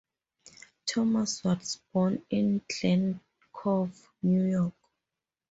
Thomas was born in Glen Cove, New York.